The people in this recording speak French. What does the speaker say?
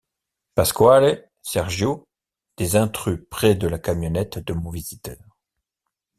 Pasquale, Sergio, des intrus près de la camionnette de mon visiteur.